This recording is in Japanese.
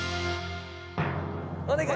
お願い！